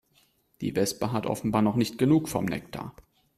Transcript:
Die Wespe hat offenbar noch nicht genug vom Nektar.